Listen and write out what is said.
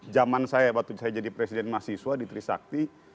zaman saya waktu saya jadi presiden mahasiswa di trisakti